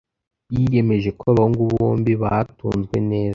Yiyemeje ko abahungu bombi batunzwe neza.